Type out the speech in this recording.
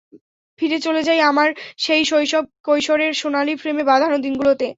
ফিরে চলে যাই আমার সেই শৈশব কৈশোরের সোনালি ফ্রেমে বাঁধানো দিনগুলোতে।